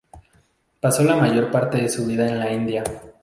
Pasó la mayor parte de su vida en la India.